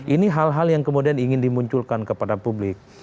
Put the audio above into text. ini hal hal yang kemudian ingin dimunculkan kepada publik